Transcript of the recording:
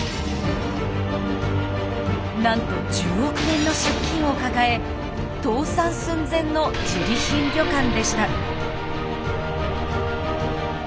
なんと１０億円の借金を抱え倒産寸前のジリ貧旅館でした。